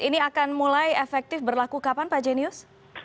ini akan mulai efektif berlaku kapan pak jenius